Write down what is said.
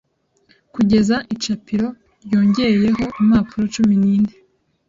kugeza icapiro ryongeyeho impapuro cumi nine.